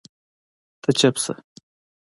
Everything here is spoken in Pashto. ته چپ سه